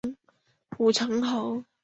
武城侯。